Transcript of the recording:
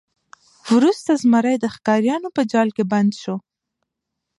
وروسته زمری د ښکاریانو په جال کې بند شو.